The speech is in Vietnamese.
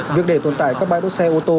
việc để tồn tại các bãi đỗ xe ô tô